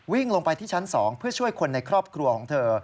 วิ่งลงไปที่ชั้น๒เพื่อช่วยคนในครอบครัวของเธอ